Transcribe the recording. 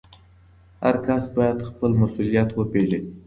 هر کس باید خپل مسؤلیت وپېژني.